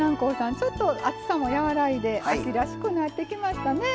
ちょっと暑さも和らいで秋らしくなってきましたね。